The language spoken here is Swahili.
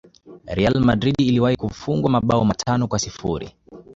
Real Madrid iliwahi kufungwa mabao matano kwa sifuri